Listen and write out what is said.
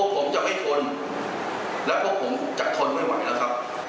ผมจะไม่ทนแล้วพวกผมจะทนไม่ไหวแล้วครับ